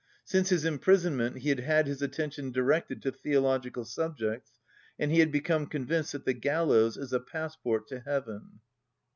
Since his imprisonment he had had his attention directed to theological subjects, and he had become convinced that the gallows is a passport to heaven."